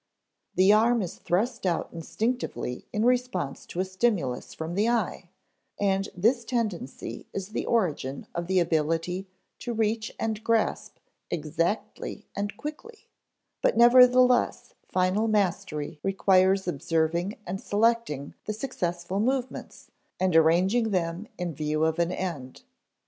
The arm is thrust out instinctively in response to a stimulus from the eye, and this tendency is the origin of the ability to reach and grasp exactly and quickly; but nevertheless final mastery requires observing and selecting the successful movements, and arranging them in view of an end.